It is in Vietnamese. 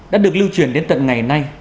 đã được lưu truyền đến tận ngày nay